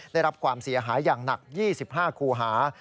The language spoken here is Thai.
ได้รับความเสียหายอย่างหนัก๒๕คูหา